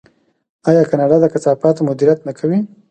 آیا کاناډا د کثافاتو مدیریت نه کوي؟